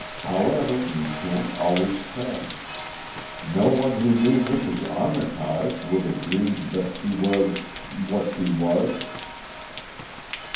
However, you can't always tell. No one who knew Mrs. Armitage would have dreamed that she was what she was."